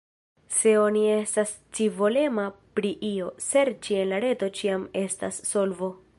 Se oni estas scivolema pri io, serĉi en la reto ĉiam estas solvo.